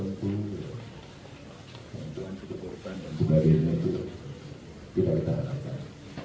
keuntungan situ kurutannya juga lainnya itu tidak ditahan tahan